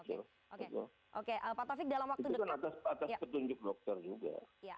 itu kan atas petunjuk dokter juga